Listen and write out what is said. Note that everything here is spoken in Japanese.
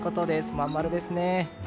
真ん丸ですね。